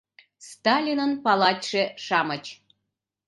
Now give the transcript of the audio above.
Сталинын палачше-шамыч.